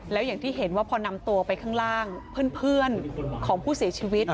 แล้วอย่างที่เห็นว่าพอนำตัวไปข้างล่างเพื่อนของผู้เสียชีวิต